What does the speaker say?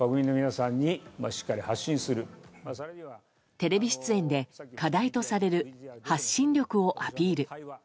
テレビ出演で課題とされる発信力をアピール。